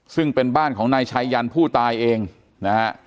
ซึ่งเป็นบ้านของนายชัยยันผู้ตายเองนะฮะ